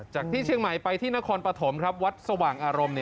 ที่เชียงใหม่ไปที่นครปฐมครับวัดสว่างอารมณ์